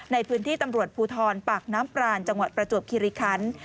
ในพื้นที่ตำรวจภูทรปากน้ำปรานจังหวัดประจวบคิริคัน